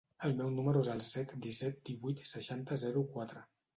El meu número es el set, disset, divuit, seixanta, zero, quatre.